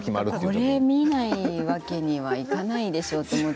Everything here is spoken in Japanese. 見ないわけにはいかないでしょと。